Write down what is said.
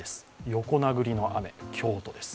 横殴りの雨、京都です。